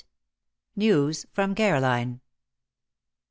* *NEWS FROM CAROLINE.